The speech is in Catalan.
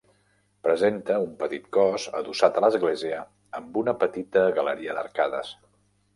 Presenta un petit cos adossat a l'església amb una petita galeria d'arcades.